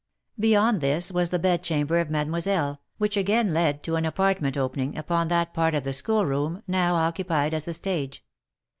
Beyond this was the bedchamber of Mademoiselle, which again led to an apartment opening upon that part of the school room now occupied as the stage.